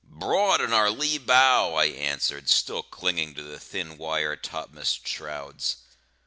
"Broad on our lee bow," I answered, still clinging to the thin wire topmast shrouds.